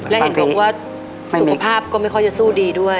และเห็นบอกว่าสุขภาพก็ไม่ค่อยจะสู้ดีด้วย